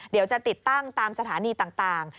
เดี๋ยวจะติดตั้งตามสถานีต่าง